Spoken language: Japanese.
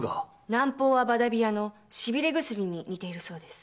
南方はバダビヤのしびれ薬に似ているそうです。